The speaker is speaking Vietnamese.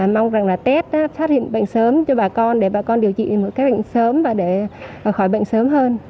mong rằng là tết phát hiện bệnh sớm cho bà con để bà con điều trị một cách bệnh sớm và để khỏi bệnh sớm hơn